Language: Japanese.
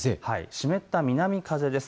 湿った南風です。